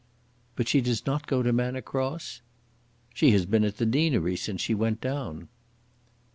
"But she does not go to Manor Cross?" "She has been at the deanery since she went down."